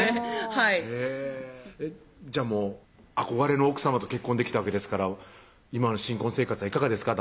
はいへぇじゃあもう憧れの奥さまと結婚できたわけですから今の新婚生活はいかがですか？